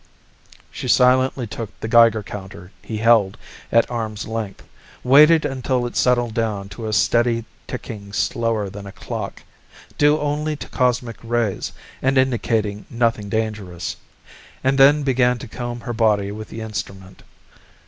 She silently took the Geiger counter he held at arm's length, waited until it settled down to a steady ticking slower than a clock due only to cosmic rays and indicating nothing dangerous and then began to comb her body with the instrument.